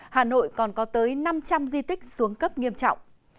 hà nội còn có tới năm trăm linh di tích xuống cấp nghiêm trọng